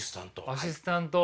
アシスタント。